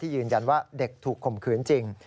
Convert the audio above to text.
ยืนยันว่าเด็กถูกข่มขืนจริง